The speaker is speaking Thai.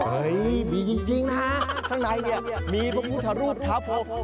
เฮ้ยมีจริงนะข้างในนี่มีพระพุทธภาพโภค